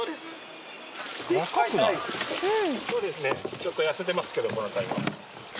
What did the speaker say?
ちょっと痩せてますけどこのタイは。